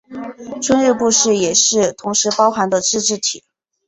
春日部市也是同时包含的自治体。